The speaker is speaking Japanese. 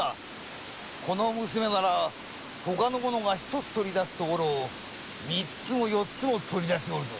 この娘なら他の者が一つ取り出すところを三つも四つも取り出しおるぞ。